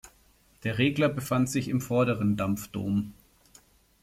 Der Regler befand sich im vorderen Dampfdom.